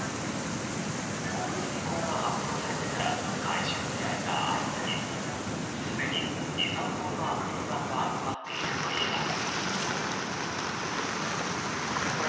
５類移行が発表されてから回収依頼が相次ぎすでに２３トンのアクリル板が集まっているといいます。